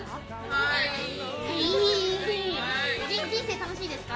人生楽しいですか？